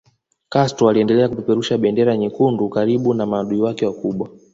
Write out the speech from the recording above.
Castro aliendelea kupeperusha bendera nyekundu karibu na maadui wake wakubwa